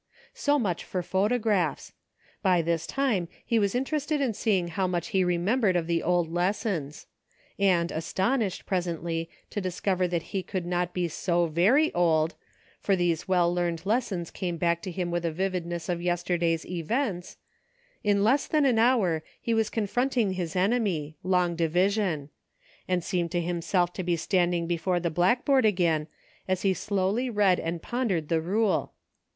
So much for photographs ; by this time he was inter ested in seeing how much he remembered of the old lessons ; and astonished, presently, to discover that he could not be so very old, for these well learned lessons came back to him with a vividness of yesterday's events ; in less than an hour he was confronting his enemy, long division ; and seemed to himself to be standing before the blackboard again as he slowly read and pondered the rule.